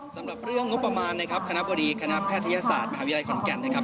สำหรับเรื่องงบประมาณนะครับคณะบดีคณะแพทยศาสตร์มหาวิทยาลัยขอนแก่นนะครับ